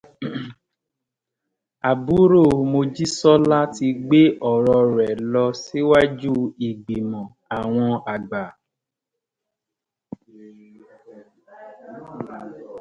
Àbúrò Mojísọ́lá ti gbé ọ̀rọ̀ rẹ̀ lọ síwájú ìgbìmọ̀ àwọn àgbà